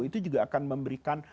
itu juga akan memberikan